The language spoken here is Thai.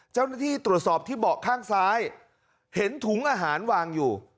เจ้าหน้าที่ตรวจสอบที่เบาะข้างซ้ายเห็นถุงอาหารวางอยู่